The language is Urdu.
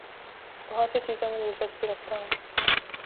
بہت سی چیزوں میں دلچسپی رکھتا ہوں